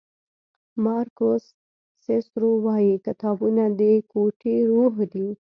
مارکوس سیسرو وایي کتابونه د کوټې روح دی.